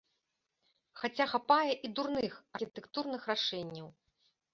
Хаця хапае і дурных архітэктурных рашэнняў.